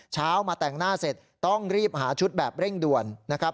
เช้ามาแต่งหน้าเสร็จต้องรีบหาชุดแบบเร่งด่วนนะครับ